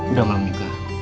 udah malam juga